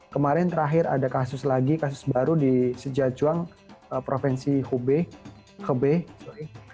kemarin terakhir ada kasus lagi kasus baru di sejajuan provinsi hebei